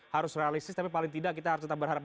harus realistis tapi paling tidak kita harus tetap berharap